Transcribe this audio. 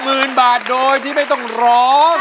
หมื่นบาทโดยที่ไม่ต้องร้อง